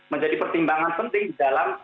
menjadi pertimbangan penting di dalam